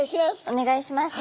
お願いします。